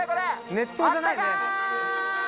熱湯じゃないね。